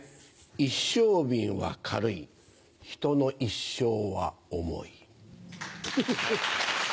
一升瓶は軽い人の一生は重い。